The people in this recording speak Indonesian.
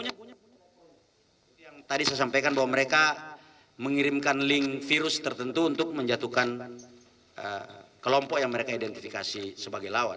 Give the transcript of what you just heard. yang tadi saya sampaikan bahwa mereka mengirimkan link virus tertentu untuk menjatuhkan kelompok yang mereka identifikasi sebagai lawan